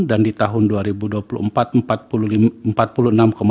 dan di tahun dua ribu dua puluh empat itu sama